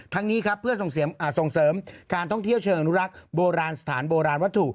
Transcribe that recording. นี้ครับเพื่อส่งเสริมการท่องเที่ยวเชิงอนุรักษ์โบราณสถานโบราณวัตถุ